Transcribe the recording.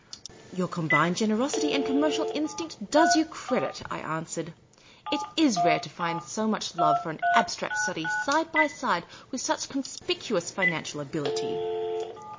" Your combined generosity and connnercial instinct does you credit," I answered. "It is rare to find so much love for an abstract study side by side with such conspicuous financial abilit}